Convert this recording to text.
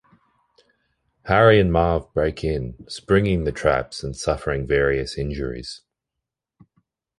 Harry and Marv break in, springing the traps and suffering various injuries.